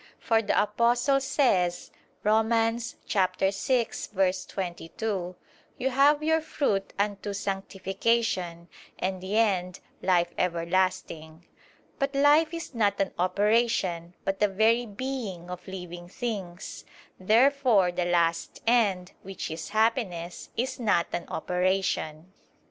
For the Apostle says (Rom. 6:22): "You have your fruit unto sanctification, and the end, life everlasting." But life is not an operation, but the very being of living things. Therefore the last end, which is happiness, is not an operation.